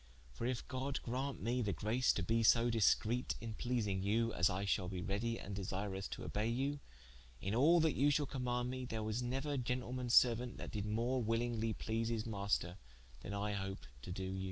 For if God graunt me the grace to be so discrete in pleasing you, as I shalbe readie and desirous to obey you, in all that you shall commaunde mee, there was neuer gentleman's seruaunt, that did more willingly please his maister, then I hope to doe you."